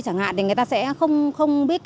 chẳng hạn thì người ta sẽ không biết